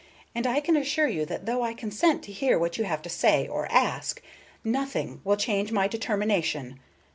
And I can assure you that though I consent to hear what you have to say, or ask, nothing will change my determination.